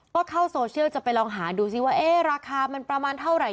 ก็เข้าโซเชียลจะไปลองหาดูซิว่าราคามันประมาณเท่าไหร่